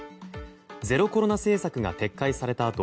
ゼロコロナ政策が撤回されたあと